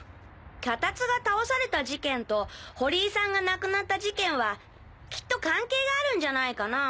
脚立が倒された事件と堀井さんが亡くなった事件はきっと関係があるんじゃないかなぁ。